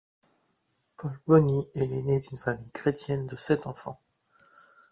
Paul Bony est l’aîné d’une famille chrétienne de sept enfants.